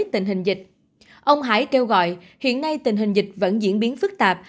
tình hình dịch ông hải kêu gọi hiện nay tình hình dịch vẫn diễn biến phức tạp